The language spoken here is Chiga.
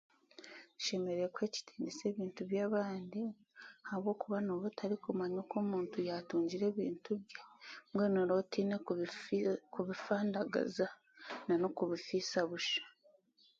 Nshemereire kuha ekitiinisa ebintu by'abandi ahakuba oraba otarikumanya omuntu okuyaatungire ebintu bye